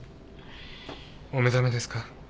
お目覚めですか？